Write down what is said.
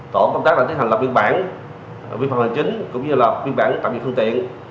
tổ công tác đã tiến hành lập biên bản vi phạm hành chính cũng như lập biên bản tạm dừng phương tiện